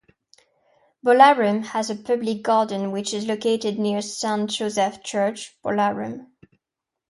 Bolarum has a Public Garden which is located near Saint Joseph Church, Bolarum.